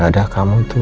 gada kamu tuh